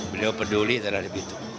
beliau peduli terhadap itu